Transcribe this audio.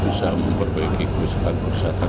bisa memperbaiki kerusakan kerusakan